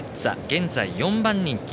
現在、４番人気。